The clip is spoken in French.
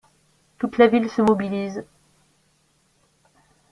Toute la ville se mobilise.